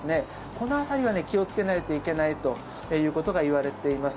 この辺りは気をつけないといけないといわれています。